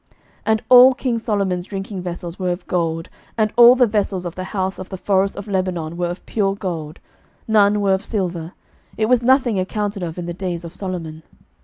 11:010:021 And all king Solomon's drinking vessels were of gold, and all the vessels of the house of the forest of Lebanon were of pure gold; none were of silver: it was nothing accounted of in the days of Solomon.